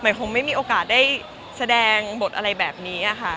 คงไม่มีโอกาสได้แสดงบทอะไรแบบนี้ค่ะ